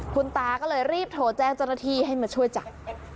คุณตาก็เลยรีบโทรแจ้งเจ้าหน้าที่ให้มาช่วยจับ